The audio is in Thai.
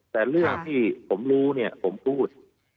แต่เรื่องที่ผมรู้เนี่ยผมพูด